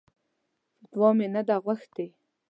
فتوا مې نه ده غوښتې.